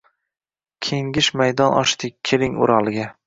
Kengish maydon ochdik, keling Uralga